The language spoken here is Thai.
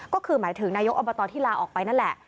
ก็คือหมายถึงนายกอบตที่ลาออกไปนั่นแหละ